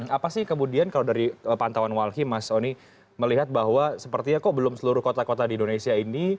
apa sih kemudian kalau dari pantauan walhi mas oni melihat bahwa sepertinya kok belum seluruh kota kota di indonesia ini